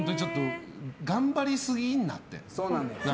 頑張りすぎるなって。